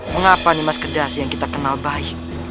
mengapa nih mas kedas yang kita kenal baik